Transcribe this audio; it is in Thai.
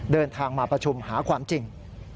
เดินทางมาประชุมหาความจริง